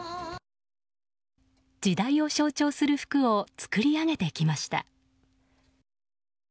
時代を象徴する服を作り上げてきました。